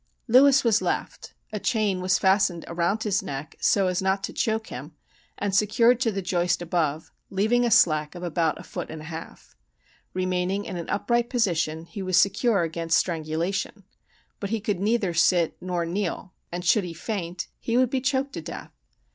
Lewis was left. A chain was fastened around his neck, so as not to choke him, and secured to the joist above, leaving a slack of about a foot and a half. Remaining in an upright position, he was secure against strangulation, but he could neither sit nor kneel; and should he faint, he would be choked to death.